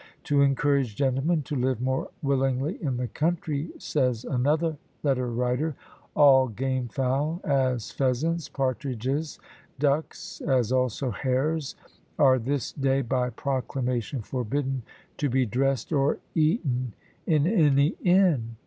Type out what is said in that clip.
"To encourage gentlemen to live more willingly in the country," says another letter writer, "all game fowl, as pheasants, partridges, ducks, as also hares, are this day by proclamation forbidden to be dressed or eaten in any inn."